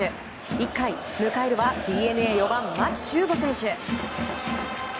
１回、迎えるはＤｅＮＡ４番、牧秀悟選手。